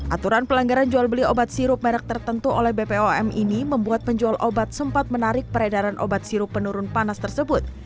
aturan pelanggaran jual beli obat sirup merek tertentu oleh bpom ini membuat penjual obat sempat menarik peredaran obat sirup penurun panas tersebut